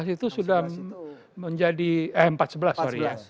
enam belas sebelas itu sudah menjadi eh empat belas sebelas sorry ya